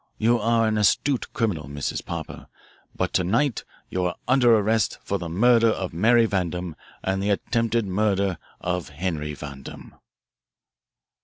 You are an astute criminal, Mrs. Popper, but to night you are under arrest for the murder of Mary Vandam and the attempted murder of Henry Vandam."